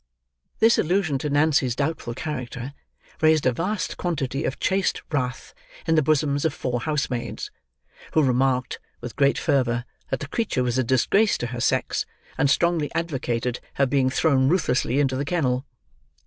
This allusion to Nancy's doubtful character, raised a vast quantity of chaste wrath in the bosoms of four housemaids, who remarked, with great fervour, that the creature was a disgrace to her sex; and strongly advocated her being thrown, ruthlessly, into the kennel.